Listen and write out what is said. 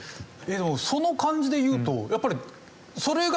でもその感じでいうとやっぱりそれが。